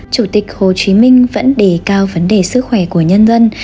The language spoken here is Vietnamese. chủ tịch hồ chí minh vẫn đề cao vấn đề sức khỏe của nhân dân